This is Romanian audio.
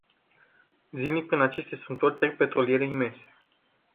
Zilnic prin aceste strâmtori trec petroliere imense.